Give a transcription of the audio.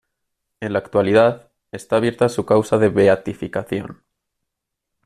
En la actualidad, está abierta su causa de beatificación.